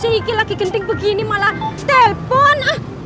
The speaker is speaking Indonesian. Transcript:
yang ini lagi keringin begini malah telpon